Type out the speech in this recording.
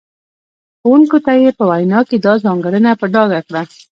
ښوونکو ته یې په وینا کې دا ځانګړنه په ډاګه کړه.